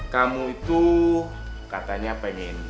kamu itu katanya pengen